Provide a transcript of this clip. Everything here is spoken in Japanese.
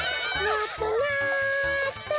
なっとなっと。